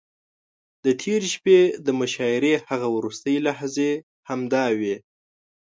د تېرې شپې د مشاعرې هغه وروستۍ لحظې همداوې.